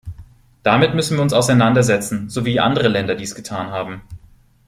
Damit müssen wir uns auseinander setzen, so wie andere Länder dies getan haben.